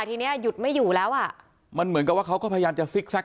ทีเนี้ยหยุดไม่อยู่แล้วอ่ะมันเหมือนกับว่าเขาก็พยายามจะซิกแก๊ก